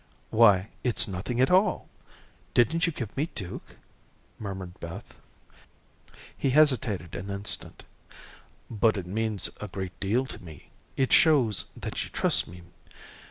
"Why, it's nothing at all. Didn't you give me Duke?" murmured Beth. He hesitated an instant. "But it means a great deal to me. It shows that you trust me.